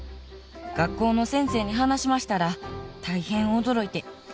学校の先生に話しましたら大変驚いて。